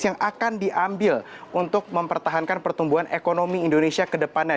yang akan diambil untuk mempertahankan pertumbuhan ekonomi indonesia ke depannya